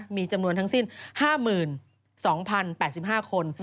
มีจำนวนทั้งสิ้น๕๒๐๘๕คน